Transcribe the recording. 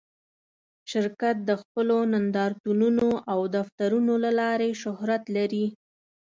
شرکت د خپلو نندارتونونو او دفترونو له لارې شهرت لري.